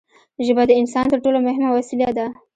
ژبه د انسان تر ټولو مهمه وسیله ده.